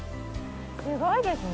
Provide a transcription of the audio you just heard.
すごいですね。